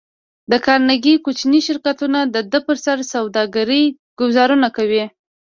د کارنګي کوچني شرکتونه د ده پر سوداګرۍ ګوزارونه کوي